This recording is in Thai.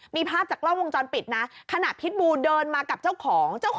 มีภาพจากกล้องวงจรปิดนะขณะพิษบูเดินมากับเจ้าของ